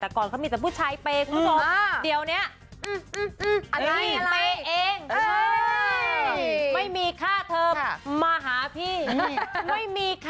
แต่ก่อนเขามีแต่ผู้ใช้เปย์ของสองเดี๋ยวเนี้ย